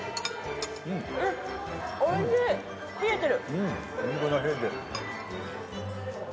おいしい、冷えてる。